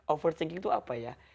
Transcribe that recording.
overthinking itu apa ya